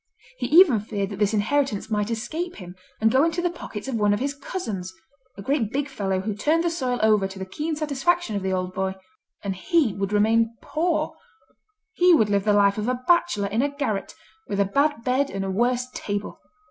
He even feared that this inheritance might escape him, and go into the pockets of one of his cousins, a great big fellow who turned the soil over to the keen satisfaction of the old boy. And he would remain poor; he would live the life of a bachelor in a garret, with a bad bed and a worse table.